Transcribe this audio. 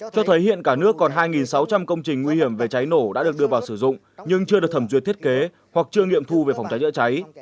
cho thấy hiện cả nước còn hai sáu trăm linh công trình nguy hiểm về cháy nổ đã được đưa vào sử dụng nhưng chưa được thẩm duyệt thiết kế hoặc chưa nghiệm thu về phòng cháy chữa cháy